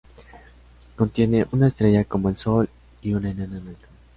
Contiene una estrella como el Sol y una enana blanca.